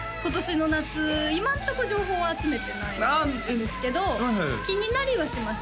今のとこ情報は集めてない何でですけど気になりはします